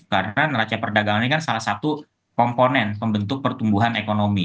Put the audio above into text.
karena neraca perdagangan ini kan salah satu komponen pembentuk pertumbuhan ekonomi